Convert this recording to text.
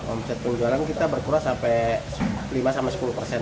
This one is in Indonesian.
omset penjualan kita berkurang sampai lima sepuluh persen